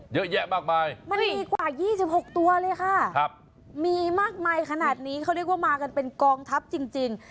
เยอะแยะมากมายมันมีกว่า๒๖ตัวเลยค่ะมีมากมายขนาดนี้เขาเรียกว่ามากันเป็นกองทัพจริง